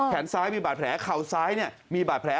ซ้ายมีบาดแผลเข่าซ้ายมีบาดแผล